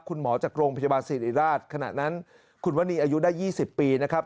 คุณหมอจากโรงพยาบาลศิริราชขณะนั้นคุณวนีอายุได้๒๐ปีนะครับ